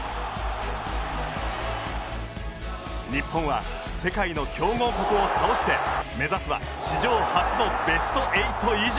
日本は世界の強豪国を倒して目指すは史上初のベスト８以上。